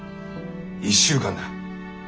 １週間だ。